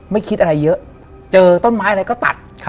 ไม่คิดอะไรเยอะเจอต้นไม้อะไรก็ตัด